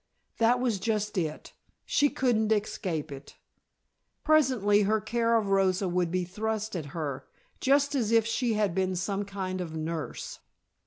That was just it; she couldn't escape it. Presently her care of Rosa would be thrust at her, just as if she had been some kind of nurse.